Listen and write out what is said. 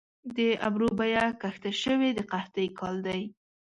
د ابرو بیه کښته شوې د قحطۍ کال دي